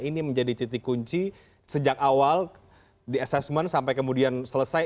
ini menjadi titik kunci sejak awal di assessment sampai kemudian selesai